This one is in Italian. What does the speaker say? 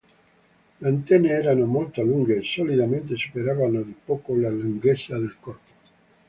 Le antenne erano molto lunghe e solitamente superavano di poco la lunghezza del corpo.